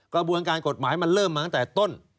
กระบวนการกฎหมายมันเริ่มมาตั้งแต่ต้น